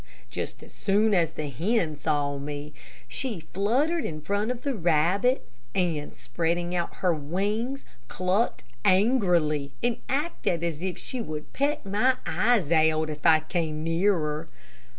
Just as soon as the hen saw me, she fluttered in front of the rabbit, and, spreading out her wings, clucked angrily, and acted as if she would peck my eyes out if I came nearer.